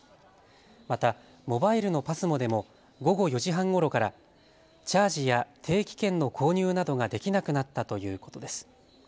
またモバイルのＰＡＳＭＯでも午後４時半ごろからチャージや定期券の購入などができなくなったということです。